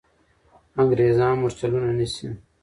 انګریزان مرچلونه نیسي.